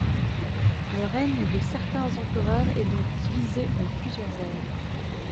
Le règne de certains empereurs est donc divisé en plusieurs ères.